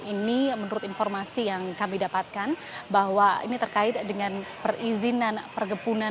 ini menurut informasi yang kami dapatkan bahwa ini terkait dengan perizinan perkebunan